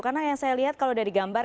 kalau saya lihat mas igun maaf